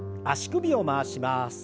足首を回します。